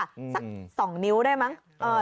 ดับเถอะสองนิ้วได้มั้ง